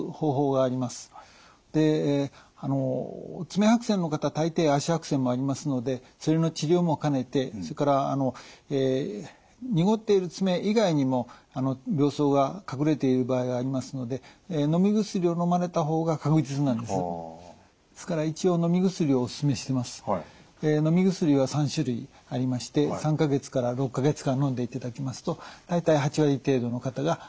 爪白癬の方は大抵足白癬もありますのでそれの治療も兼ねてそれから濁っている爪以外にも病巣が隠れている場合がありますのでのみ薬は３種類ありまして３か月から６か月間のんでいただきますと大体８割程度の方が治ってきます。